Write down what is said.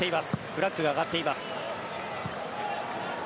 フラッグが上がっています。